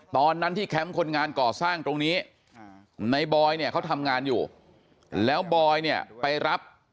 ตอนนั้นที่แคมป์คนงานก่อสร้างตรงนี้ในบอยเนี่ยเขาทำงานอยู่แล้วบอยเนี่ยไปรับ